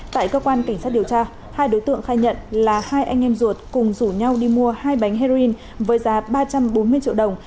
tại cơ quan cảnh sát điều tra hai đối tượng khai nhận là hai anh em ruột cùng rủ nhau đi mua hai bánh heroin với giá ba trăm bốn mươi triệu đồng